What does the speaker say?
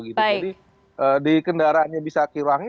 jadi di kendaraannya bisa kirangi